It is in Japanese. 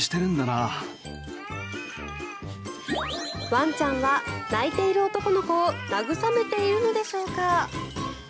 ワンちゃんは泣いている男の子を慰めているのでしょうか。